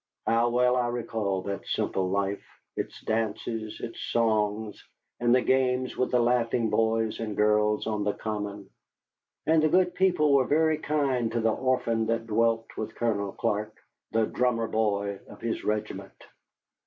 How well I recall that simple life, its dances, its songs, and the games with the laughing boys and girls on the common! And the good people were very kind to the orphan that dwelt with Colonel Clark, the drummer boy of his regiment.